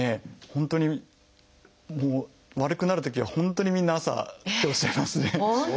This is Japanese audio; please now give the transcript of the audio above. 本当に悪くなるときは本当にみんな朝っておっしゃいますね。